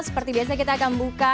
seperti biasa kita akan buka